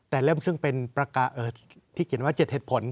แต่เล่มซึ่งเป็นประกาศที่เขียนว่า๗เหตุผล